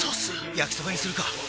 焼きそばにするか！